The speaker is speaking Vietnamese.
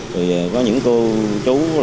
thì có những cô chú